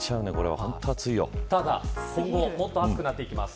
ただ、今後もっと暑くなってきます。